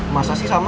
masa sih sama